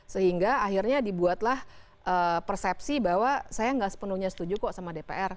sehingga akhirnya dibuatlah persepsi bahwa saya nggak sepenuhnya setuju kok sama dpr